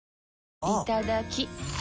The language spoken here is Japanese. いただきっ！